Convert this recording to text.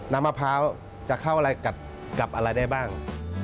มะพร้าวจะเข้าอะไรกับอะไรได้บ้าง